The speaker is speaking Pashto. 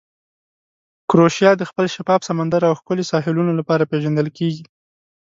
کروشیا د خپل شفاف سمندر او ښکلې ساحلونو لپاره پېژندل کیږي.